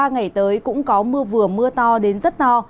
ba ngày tới cũng có mưa vừa mưa to đến rất to